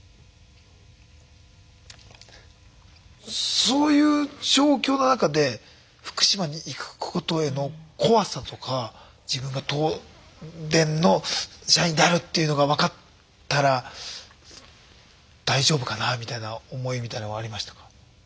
そういう状況の中で福島に行くことへの怖さとか自分が東電の社員であるっていうのが分かったら大丈夫かなみたいな思いみたいのはありましたか？